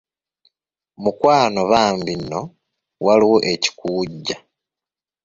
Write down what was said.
Mukwano bambi nno, waliwo ekikuwujja.